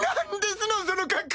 その格好！